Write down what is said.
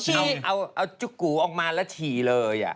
เอาจุ๊กกูออกมาแล้วฉี่เลย